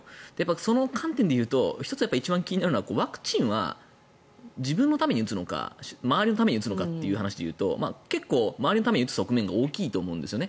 その観点でいうと１つ、一番気になるのはワクチンは自分のために打つのか周りのために打つのかという話で言うと結構、周りのために打つ側面が大きいと思うんですね。